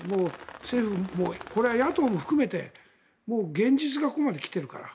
政府もこれは野党も含めて現実がここまで来てるから。